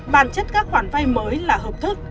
bản chất các khoản vay mới là hợp thức